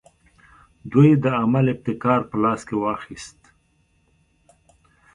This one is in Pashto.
دوی د عمل ابتکار په لاس کې واخیست.